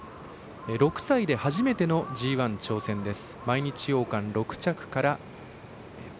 ６歳で初めてのＧＩ挑戦です。